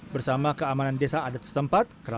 bersama keamanan desa adat setempat